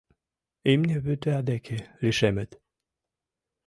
Имне вӱта деке лишемыт.